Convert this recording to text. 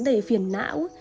để phiền não